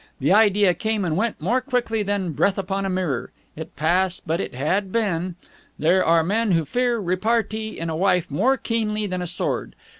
The idea came and went more quickly than breath upon a mirror. It passed, but it had been. There are men who fear repartee in a wife more keenly than a sword.